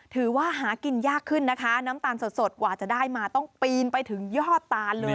ถือว่าหากินยากขึ้นนะคะน้ำตาลสดกว่าจะได้มาต้องปีนไปถึงยอดตานเลย